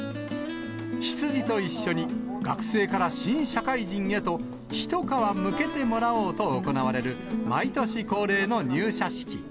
羊と一緒に、学生から新社会人へと一皮むけてもらおうと行われる毎年恒例の入